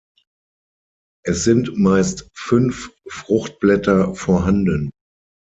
Es sind meist fünf Fruchtblätter vorhanden.